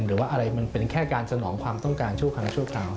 หรือว่าอะไรมันเป็นแค่การสนองความต้องการชั่วครั้งชั่วคราว